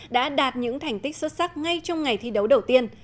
đã đạt những thành tích xuất sắc ngay trong ngày thi đấu đầu tiên